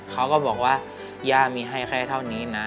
เขาก็บอกว่าย่ามีให้แค่เท่านี้นะ